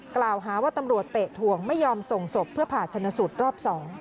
กล่าวหาว่าตำรวจเตะถ่วงไม่ยอมส่งศพเพื่อผ่าชนะสูตรรอบ๒